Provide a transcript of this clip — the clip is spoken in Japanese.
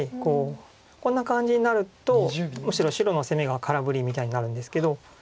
こんな感じになるとむしろ白の攻めが空振りみたいになるんですけど。